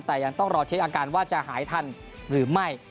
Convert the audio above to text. แต่ยังต้องรอเช็คอาการว่าจะหายทันหรือไม่